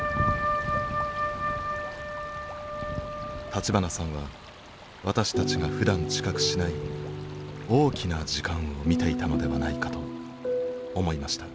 立花さんは私たちがふだん知覚しない大きな時間を見ていたのではないかと思いました。